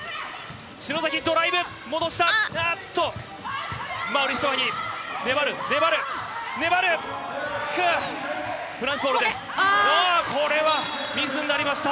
篠崎、ドライブ、戻した。